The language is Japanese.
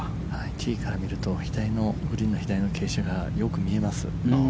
ティーから見るとグリーンの左の傾斜がよく見えます。